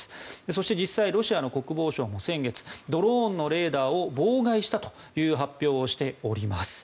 そして、実際にロシアの国防省も先月ドローンのレーダーを妨害したという発表をしております。